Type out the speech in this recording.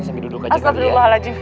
sambil duduk aja kali ya